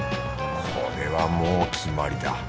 これはもう決まりだ。